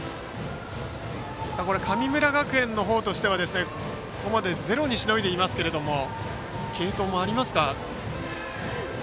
神村学園の方としてはここまでゼロにしのいでいますが継投もありますか？